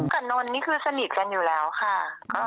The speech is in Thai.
กับโนนนนี่ถึงสนิทอยู่แล้วค่ะ